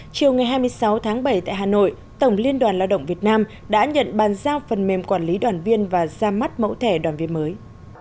chiều ngày hai mươi sáu tháng bảy tại hà nội tổng liên đoàn lao động việt nam đã nhận bàn giao phần mềm quản lý đoàn viên và ra mắt mẫu thẻ đoàn viên mới